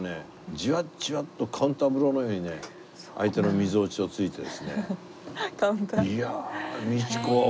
じわじわとカウンターブローのようにね相手のみぞおちを突いてですね。